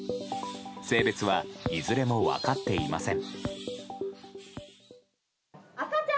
性別はいずれも分かっていません。